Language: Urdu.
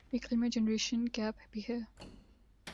ایک المیہ جنریشن گیپ بھی ہے